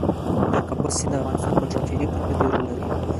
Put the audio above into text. د کابل سیند د افغانستان په ستراتیژیک اهمیت کې رول لري.